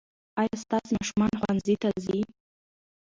ايا ستاسې ماشومان ښوونځي ته ځي؟